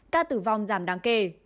ca tử vong giảm đáng kể